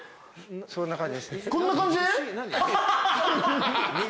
そんな感じです。